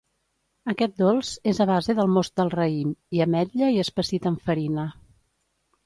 Aquest dolç és a base del most del raïm i ametlla i espessit amb farina.